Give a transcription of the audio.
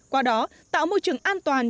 qua đó tạo môi trường an toàn